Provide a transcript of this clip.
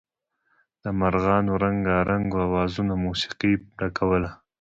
د مارغانو رنګارنګو اوازونو موسيقۍ ډکوله.